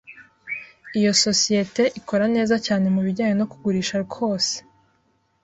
Iyo sosiyete ikora neza cyane mubijyanye no kugurisha kwose.